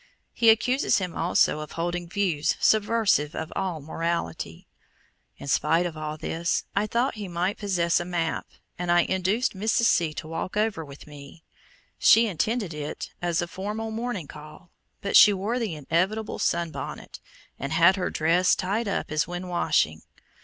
He accuses him also of holding views subversive of all morality. In spite of all this, I thought he might possess a map, and I induced Mrs. C. to walk over with me. She intended it as a formal morning call, but she wore the inevitable sun bonnet, and had her dress tied up as when washing.